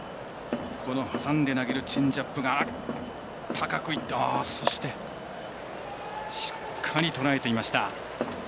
挟んで投げるチェンジアップが高くいって、そしてしっかりとらえていました。